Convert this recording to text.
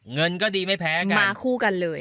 เงินก็ดีไม่แพ้ไงมาคู่กันเลย